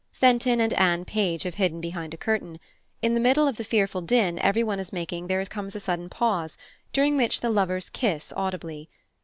Fenton and Anne Page have hidden behind a curtain. In the middle of the fearful din everyone is making there comes a sudden pause, during which the lovers kiss audibly.